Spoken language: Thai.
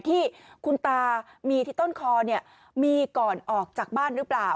ที่คุณตามีที่ต้นคอมีก่อนออกจากบ้านหรือเปล่า